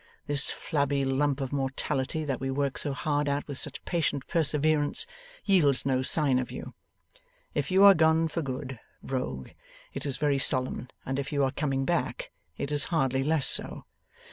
This flabby lump of mortality that we work so hard at with such patient perseverance, yields no sign of you. If you are gone for good, Rogue, it is very solemn, and if you are coming back, it is hardly less so.